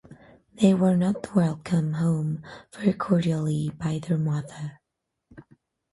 They were not welcomed home very cordially by their mother.